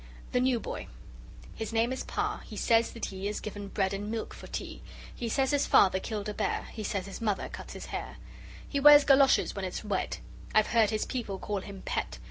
THE NEW BOY His name is Parr: he says that he Is given bread and milk for tea. He says his father killed a bear. He says his mother cuts his hair. He wears goloshes when it's wet. I've heard his people call him "Pet"!